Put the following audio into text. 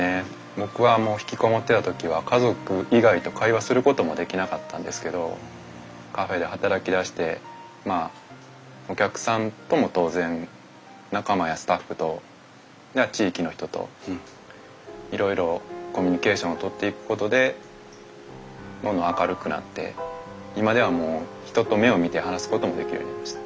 僕はもう引きこもってた時は家族以外と会話することもできなかったんですけどカフェで働き出してまあお客さんとも当然仲間やスタッフと地域の人といろいろコミュニケーションを取っていくことでどんどん明るくなって今ではもう人と目を見て話すこともできるようになりました。